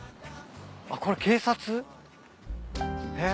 あっこれ警察？へ。